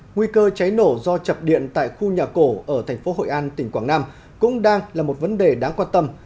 nguy cơ cháy nổ do chập điện tại khu nhà cổ ở thành phố hội an tỉnh quảng nam cũng đang là một vấn đề đáng quan tâm